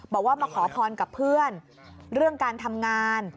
บอกว่ามาขอพรกับเพื่อนเรื่องการทำงาน